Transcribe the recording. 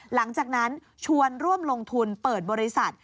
หลังจากนั้นชวนร่วมลงทุนเปิดบริษัท